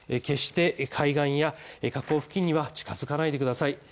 決して海岸や河口付近には近づかないでください。